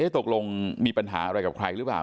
ตกลงมีปัญหาอะไรกับใครหรือเปล่า